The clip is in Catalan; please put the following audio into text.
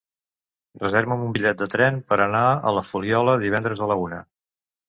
Reserva'm un bitllet de tren per anar a la Fuliola divendres a la una.